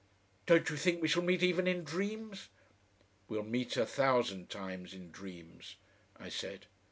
don't you think we shall meet even in dreams?" "We'll meet a thousand times in dreams," I said.